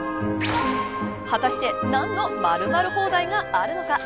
果たして何の○○放題があるのか。